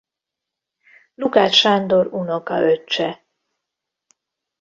Lukács Sándor unokaöccse.